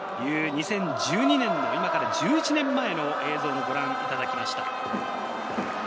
２０１２年、今から１１年前の映像をご覧いただきました。